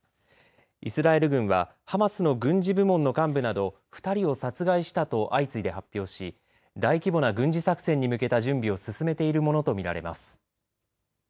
イスラエル軍はハマスの軍事部門の幹部など２人を殺害したと相次いで発表し大規模な軍事作戦に向けた準備を進めているものと見られます。